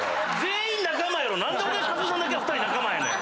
何で俺と克実さんだけは２人仲間やねん！